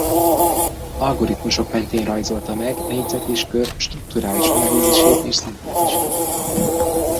Algoritmusok mentén rajzolta meg négyzet és kör strukturális analízisét és szintézisét.